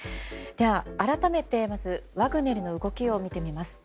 改めて、ワグネルの動きを見てみます。